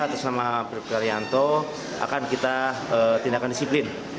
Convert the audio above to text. atau sama bribka rianto akan kita tindakan disiplin